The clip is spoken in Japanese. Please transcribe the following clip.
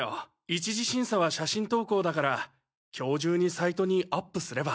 一次審査は写真投稿だから今日中にサイトにアップすれば。